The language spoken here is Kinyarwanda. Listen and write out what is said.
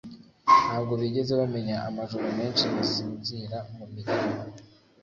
Ntabwo bigeze bamenya amajoro menshi ntasinzira ngo mbigereho